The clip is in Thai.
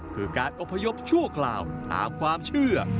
คือการอบพยพชั่วคราวตามความเชื่อ